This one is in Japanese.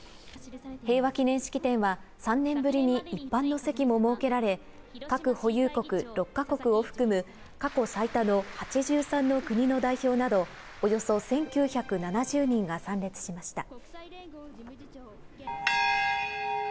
平和祈念式典は３年ぶりに一般の席も設けられ、核保有国６か国を含む、過去最多の８３の国の代表などおよそ１９７０人が参列しました。